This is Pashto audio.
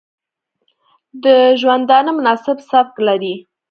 د ژوندانه مناسب سبک لري